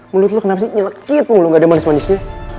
menurut lo kenapa sih nyelak gitu lo gak ada manis manisnya